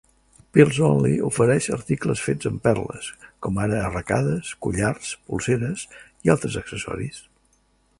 PearlsOnly ofereix articles fets amb perles, com ara arracades, collars, polseres i altres accessoris.